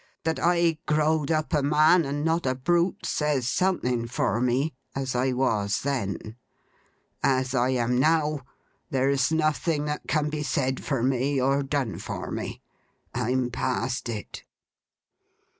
That I growed up a man and not a brute, says something for me—as I was then. As I am now, there's nothing can be said for me or done for me. I'm past it.